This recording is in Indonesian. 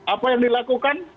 apa yang dilakukan